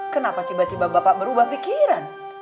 kenapa tiba tiba bapak merubah pikiran